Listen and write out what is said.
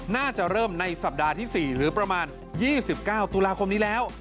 น่าจะเริ่มในสัปดาห์ที่๔หรือประมาณ๒๙ตุลาคมนี้แล้ว